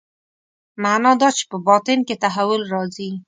معنا دا چې په باطن کې تحول راځي.